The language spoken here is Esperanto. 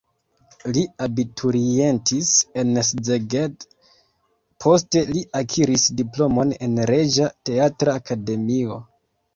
Li abiturientis en Szeged, poste li akiris diplomon en Reĝa Teatra Akademio.